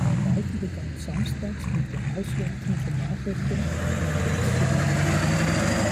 Die beiden begannen samstags mit dem Auswerten von Nachrichten, um an Gags zu gelangen.